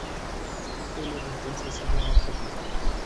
Elliot entonces idea otro plan.